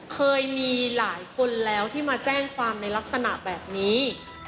เคยมีหลายคนแล้วที่มาแจ้งความในลักษณะแบบนี้